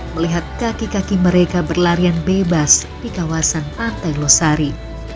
melihat kaki kaki mereka berlarian bebas di kawasan pantai losari